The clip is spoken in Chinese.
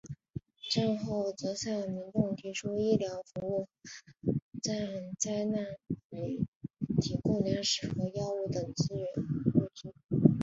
战后则向民众提供医疗服务和向灾民提供粮食和药物等物资。